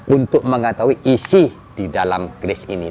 untuk mengataui isi di dalam keris ini